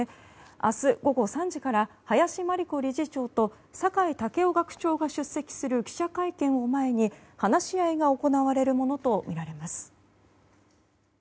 明日午後３時から林真理子理事長と酒井健夫学長が出席する記者会見を前に話し合いが行れるものとみられます。